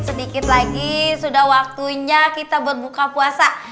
sedikit lagi sudah waktunya kita buat buka puasa